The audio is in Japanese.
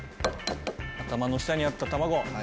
頭の下にあった卵。